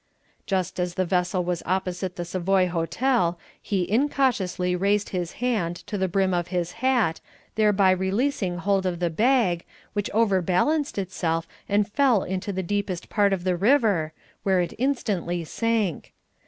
Just as the vessel was opposite the Savoy Hotel he incautiously raised his hand to the brim of his hat, thereby releasing hold of the bag, which overbalanced itself and fell into the deepest part of the river, where it instantly sank.